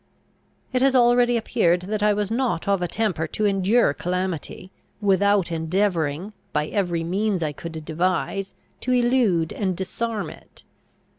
It has already appeared that I was not of a temper to endure calamity, without endeavouring, by every means I could devise, to elude and disarm it.